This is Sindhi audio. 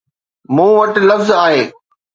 مون وٽ لفظ آهي